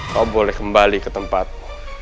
kau boleh kembali ke tempatmu